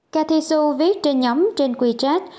cathy xu viết trên nhóm trên wechat